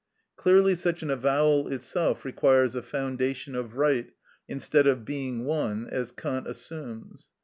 Clearly such an avowal itself requires a foundation of right, instead of being one, as Kant assumes.